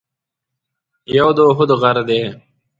یو د اُحد غر دی.